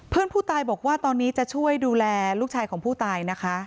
เพื่อนผู้ตายบอกว่าตอนนี้จะช่วยดูแลลูกชายของผู้ตายนะคะ